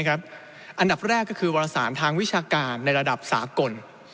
อันดับแรกก็คือวารสารทางวิชาการในระดับสากล